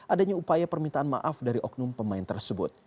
adanya upaya permintaan maaf dari oknum pemain tersebut